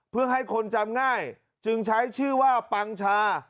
เพื่อให้คนจำง่ายจึงใช้ชื่อว่าปังชา